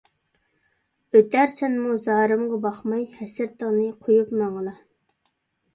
ئۆتەرسەنمۇ زارىمغا باقماي، ھەسرىتىڭنى قويۇپ ماڭىلا.